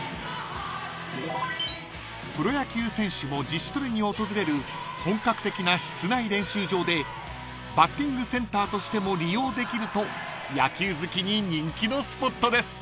［プロ野球選手も自主トレに訪れる本格的な室内練習場でバッティングセンターとしても利用できると野球好きに人気のスポットです］